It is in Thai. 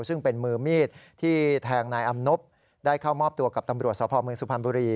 ซึ่งเป็นมือมีดที่แทงนายอำนบได้เข้ามอบตัวกับตำรวจสพเมืองสุพรรณบุรี